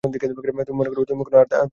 তুমি মনে কর, তুমি আর আমি ভিন্ন।